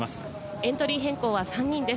エントリー変更は３人です。